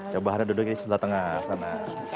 coba anda duduk di sebelah tengah sana